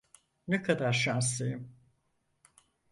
Ne kadar şanslıyım.